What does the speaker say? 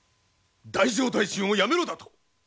太政大臣を辞めろだと！？